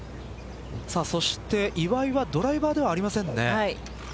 そして岩井はドライバーではありませんね。